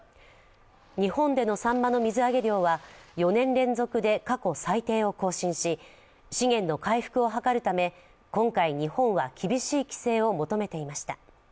日本でのサンマの水揚げ量は４年連続で過去最低を更新し、資源の回復を図るため今回、日本は厳しい規制を求めていました。